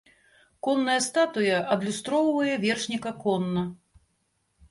Конная статуя адлюстроўвае вершніка конна.